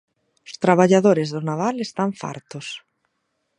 Os traballadores do naval están fartos.